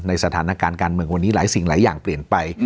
สถานการณ์การเมืองวันนี้หลายสิ่งหลายอย่างเปลี่ยนไป